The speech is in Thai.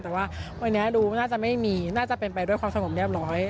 แต่ว่าวันนี้ดูน่าจะไม่มีน่าจะเป็นไปด้วยความสงบเรียบร้อย